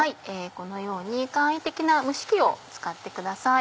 このように簡易的な蒸し器を使ってください。